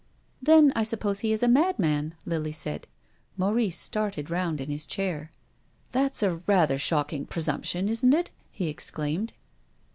" Then, I suppose, he is a madman," Lily said. Maurice started round on his chair. *' That's a — a rather shocking presumption, isn't it? " he exclaimed.